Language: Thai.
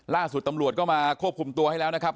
ล่าสุดตำรวจก็มาควบคุมตัวให้แล้วนะครับ